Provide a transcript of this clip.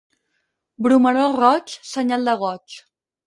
Bromerol roig, senyal de goig.